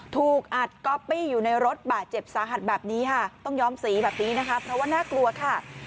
ถูกอัดก๊อปปี้อยู่ในรถบาดเจ็บสาหัสแบบนี้ค่ะต้องย้อมสีแบบนี้นะคะเพราะว่าน่ากลัวค่ะ